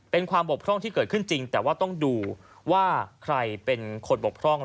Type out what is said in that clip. เป็นความบกพร่องที่เกิดขึ้นจริงแต่ว่าต้องดูว่าใครเป็นคนบกพร่อง